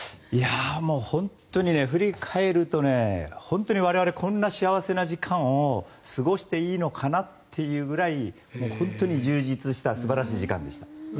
もう本当に振り返ると我々、こんな幸せな時間を過ごしていいのかなというくらい本当に充実した素晴らしい時間でした。